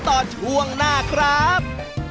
โทษที่สุด